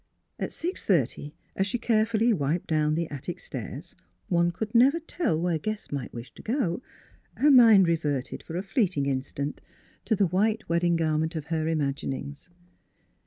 At six thirty as she carefully wiped down the attic stairs (one could never tell where guests might wish to go) her mind reverted for a fleeting instant to the white wedding garment of her imaginings.